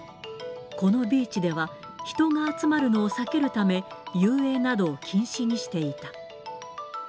このビーチでは、人が集まるのを避けるため、遊泳などを禁止にしていた。